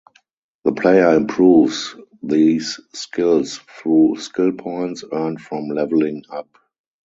The player improves these skills through skill points earned from leveling up.